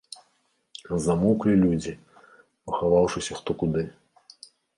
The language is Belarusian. Замоўклі людзі, пахаваўшыся хто куды.